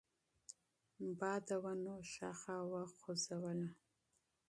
باد د ونو شاخه وخوځوله.